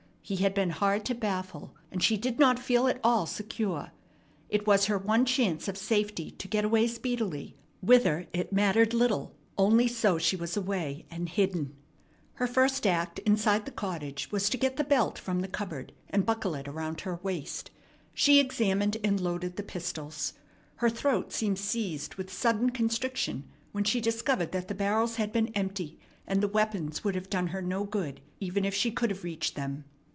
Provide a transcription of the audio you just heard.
He had been hard to baffle, and she did not feel at all secure. It was her one chance of safety to get away speedily, whither it mattered little, only so she was away and hidden. Her first act inside the cottage was to get the belt from the cupboard and buckle it around her waist. She examined and loaded the pistols. Her throat seemed seized with sudden constriction when she discovered that the barrels had been empty and the weapons would have done her no good even if she could have reached them.